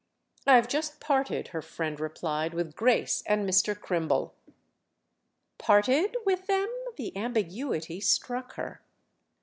"I've just parted," her friend replied, "with Grace and Mr. Crimble." "'Parted' with them?"—the ambiguity struck her.